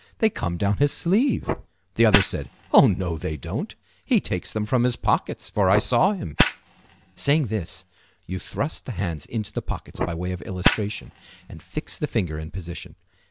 They come down his sleeve.' The other said, 'Oh! no, they don't. He takes them from his pockets, for I saw him.'" Saying this, you thrust the hands into the pockets by way of illustration, and fix the finger in position.